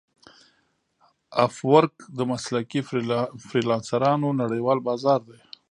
افورک د مسلکي فریلانسرانو نړیوال بازار دی.